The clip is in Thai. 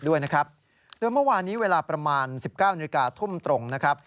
โดยเมื่อวานี้เวลาประมาณ๑๙นาทิตย์ทุ่มตรงนะครับ